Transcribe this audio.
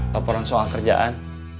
laporan soal kerjaan